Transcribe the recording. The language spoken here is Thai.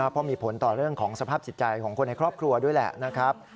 เพราะมีผลต่อเรื่องของสภาพจิตใจของคนในครอบครัวด้วยแหละนะครับ